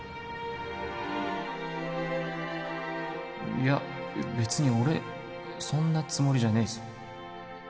いや別に俺そんなつもりじゃねえぞ